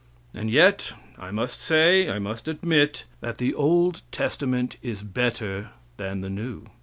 And yet, I must say I must admit that the old testament is better than the new.